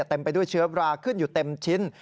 ไปด้วยเชื้อบราขึ้นอยู่เต็มชิ้น